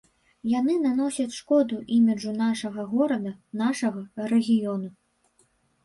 Яны наносяць шкоду іміджу нашага горада, нашага рэгіёну.